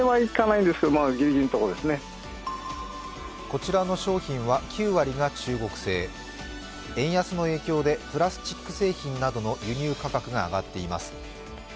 こちらの商品は９割が中国製円安の影響でプラスチック製品などの輸入価格が上がっています。